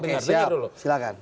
oke siap silakan